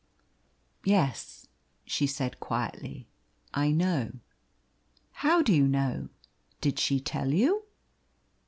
"Yes," she said quietly, "I know." "How do you know? Did she tell you?"